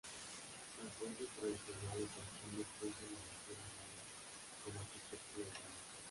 Las fuentes tradicionales en cambio apuntan al asura Maia como arquitecto del palacio.